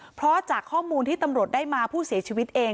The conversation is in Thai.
เพราะจากข้อมูลที่ตำรวจได้มาผู้เสียชีวิตเอง